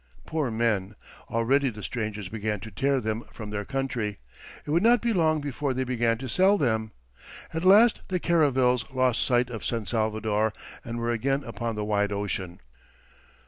Poor men! already the strangers began to tear them from their country; it would not be long before they began to sell them! At last the caravels lost sight of San Salvador, and were again upon the wide ocean.